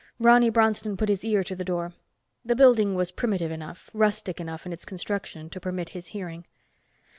Ronny Bronston put his ear to the door. The building was primitive enough, rustic enough in its construction, to permit his hearing.